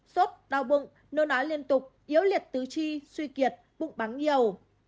sốt đau bụng nôn á liên tục yếu liệt tứ chi suy kiệt bụng bắn nhiều